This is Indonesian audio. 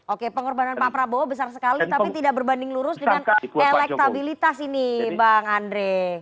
oke pengorbanan pak prabowo besar sekali tapi tidak berbanding lurus dengan elektabilitas ini bang andre